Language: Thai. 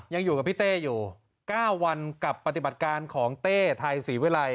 ยังอยู่กับพี่เต้อยู่๙วันกับปฏิบัติการของเต้ไทยศรีวิลัย